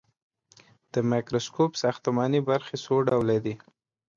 د مایکروسکوپ ساختماني برخې څو ډوله دي.